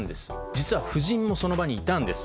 実は、夫人もその場にいたんです。